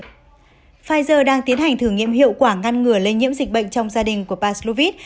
pfizer đang tiến hành thử nghiệm hiệu quả ngăn ngừa lây nhiễm dịch bệnh trong gia đình của paslovit